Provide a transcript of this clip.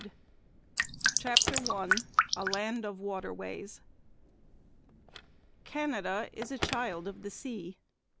CHAPTER I A LAND OF WATERWAYS Canada is the child of the sea.